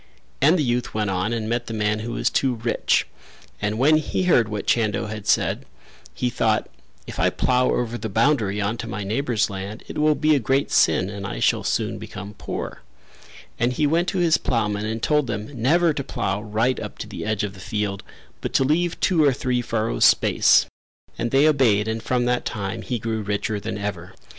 And the youth went on and met the man who was too rich, and when he heard what Chando had said he thought "If I plough over the boundary on to my neighbour's land it will be a great sin and I shall soon become poor;" and he went to his ploughmen and told them never to plough right up to the edge of the field but to leave two of three furrows space, and they obeyed and from that time he grew richer than ever.